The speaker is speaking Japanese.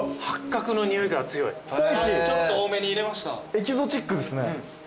エキゾチックですね。